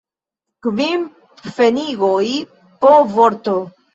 Kvin pfenigoj po vorto.